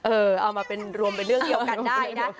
เออเอามารวมเป็นเรื่องเดียวกันได้นะ